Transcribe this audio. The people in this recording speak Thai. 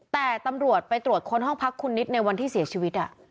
แต่ตำรวจไปตรวจค้นห้องพักคุณนิดในวันที่เสียชีวิต